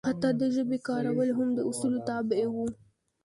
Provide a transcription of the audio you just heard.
حتی د ژبې کارول هم د اصولو تابع وو.